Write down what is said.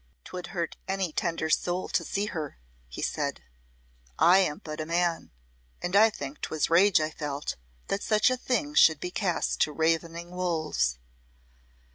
"'Twould hurt any tender soul to see her," he said. "I am but a man and I think 'twas rage I felt that such a thing should be cast to ravening wolves."